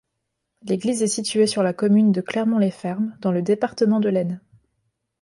L'église est située sur la commune de Clermont-les-Fermes, dans le département de l'Aisne.